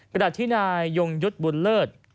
กระดาษที่นายยุงยุทธ์บุญเลิศ